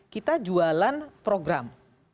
kita jualan program